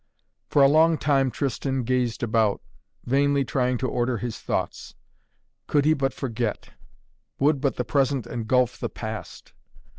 For a long time Tristan gazed about, vainly trying to order his thoughts. Could he but forget! Would but the present engulf the past!